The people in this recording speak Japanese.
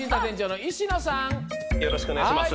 よろしくお願いします。